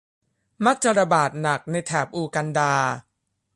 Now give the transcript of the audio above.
มักจะระบาดหนักในแถบอูกันดา